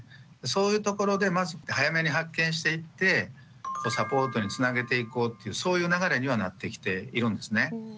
そういうところでまず早めに発見していってサポートにつなげていこうっていうそういう流れにはなってきているんですね。